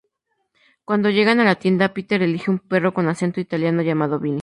Cuando llegan a la tienda, Peter elige un perro con acento italiano llamado Vinny.